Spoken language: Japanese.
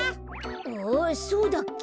あっそうだっけ？